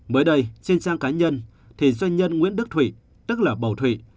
mới đây trên trang cá nhân thì doanh nhân nguyễn đức thụy tức là bầu thụy